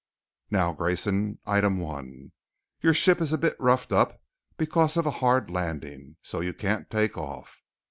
"Now, Grayson, Item One: Your ship is a bit roughed up because of a hard landing, so you can't take off.